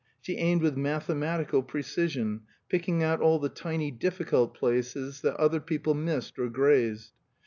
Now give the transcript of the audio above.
She aimed with mathematical precision, picking out all the tiny difficult places that other people missed or grazed.